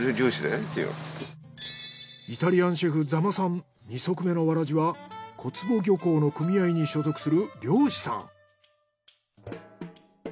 イタリアンシェフ座間さん二足目のわらじは小坪漁港の組合に所属する漁師さん。